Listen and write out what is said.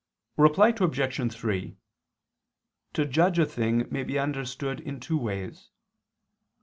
Reply Obj. 3: To judge a thing may be understood in two ways.